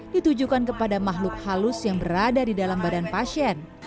ditujukan kepada makhluk halus yang berada di dalam badan pasien